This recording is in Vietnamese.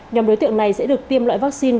nhóm đối tượng này sẽ được tiêm loại vaccine